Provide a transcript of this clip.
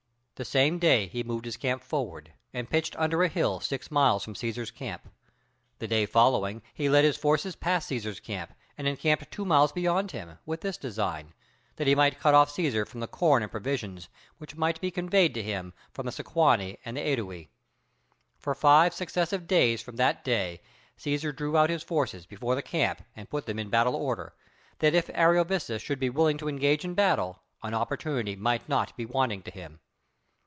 The same day he moved his camp forward and pitched under a hill six miles from Cæsar's camp. The day following he led his forces past Cæsar's camp, and encamped two miles beyond him; with this design that he might cut off Cæsar from the corn and provisions which might be conveyed to him from the Sequani and the Ædui. For five successive days from that day Cæsar drew out his forces before the camp and put them in battle order, that if Ariovistus should be willing to engage in battle, an opportunity might not be wanting to him.